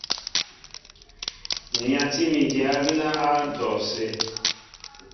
Nyatí mi dyǎ gínɛ́ á ndɔw sə.